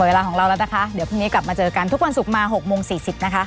เวลาของเราแล้วนะคะเดี๋ยวพรุ่งนี้กลับมาเจอกันทุกวันศุกร์มา๖โมง๔๐นะคะ